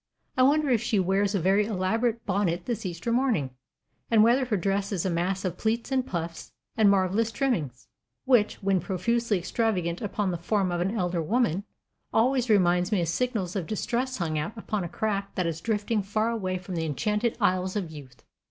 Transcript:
I wonder if she wears a very elaborate bonnet this Easter morning, and whether her dress is a mass of pleats and puffs and marvellous trimmings, which, when profusely extravagant upon the form of an elder woman, always remind me of signals of distress hung out upon a craft that is drifting far away from the enchanted isles of youth.